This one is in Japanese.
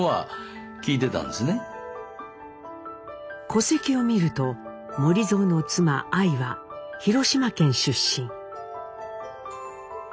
戸籍を見ると守造の妻アイは広島県出身。